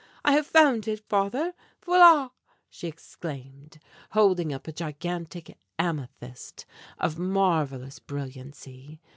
"I have found it, Father! V'la!" she exclaimed, holding up a gigantic amethyst of marvellous brilliancy.